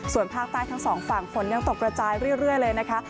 ส่วนภาคใต้ทั้งสองฝั่งฝนยังตกกระจายเรื่อยเลยนะคะ